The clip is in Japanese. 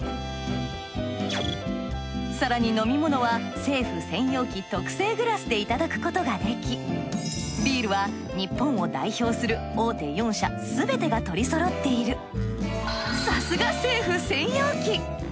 更に飲み物は政府専用機特製グラスでいただくことができビールは日本を代表する大手４社すべてが取りそろっている。